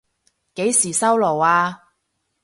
幾時收爐啊？